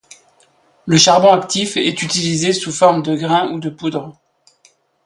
Le charbon actif est utilisé sous forme de grain ou de poudre.